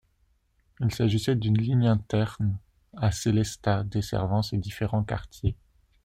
Il s'agissait d'une ligne interne à Sélestat, desservant ses différents quartiers.